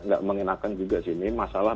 nggak mengenakan juga sih ini masalah